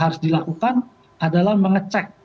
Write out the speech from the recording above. harus dilakukan adalah mengecek